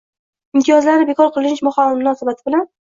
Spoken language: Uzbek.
Imtiyozlarni bekor qilinishi munosabati bilan